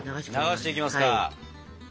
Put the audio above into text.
流していきますか。